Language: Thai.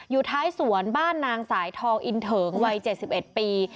อยู่ท้ายสวนบ้านนางสายทองอินเถิงวัย๗๑ปี